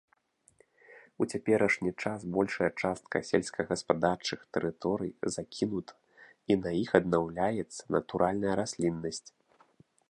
У цяперашні час большая частка сельскагаспадарчых тэрыторый закінута і на іх аднаўляецца натуральная расліннасць.